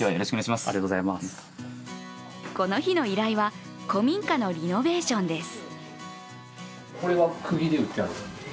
この日の依頼は古民家のリノベーションです。